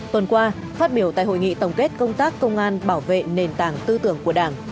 tuần qua phát biểu tại hội nghị tổng kết công tác công an bảo vệ nền tảng tư tưởng của đảng